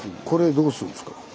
これどうするんですか？